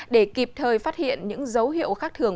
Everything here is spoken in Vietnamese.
để kịp thời phát hiện những dấu hiệu khác thường